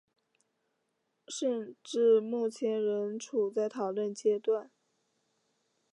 直至目前仍处在讨论阶段。